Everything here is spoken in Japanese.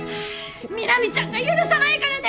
南ちゃんが許さないからね